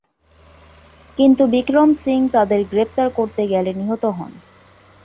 কিন্তু বিক্রম সিং তাদের গ্রেপ্তার করতে গেলে নিহত হন।